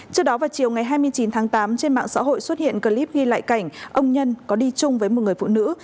trước đó vào chiều ngày hai mươi chín tháng tám trên mạng xã hội xuất hiện clip ghi lại cảnh ông nhân có đi chung với một người phụ nữ